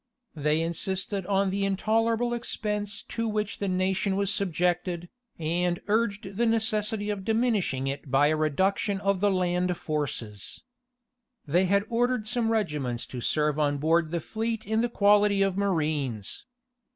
They insisted on the intolerable expense to which the nation was subjected, and urged the necessity of diminishing it by a reduction of the land forces. They had ordered some regiments to serve on board the fleet in the quality of marines.